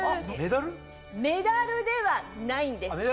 メダルではないんです。